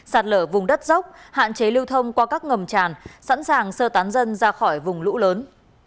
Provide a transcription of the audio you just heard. sạt lở vùng đất dốc hạn chế lưu thông qua các ngầm tràn sẵn sàng sơ tán dân ra khỏi vùng lũ lớn